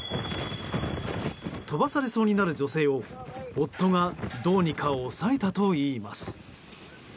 飛ばされそうになる女性を夫が、どうにか押さえたといいます。